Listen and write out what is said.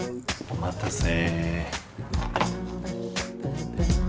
お待たせ。